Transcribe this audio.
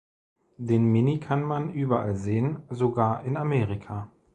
Den Mini kann man überall sehen, sogar in Amerika.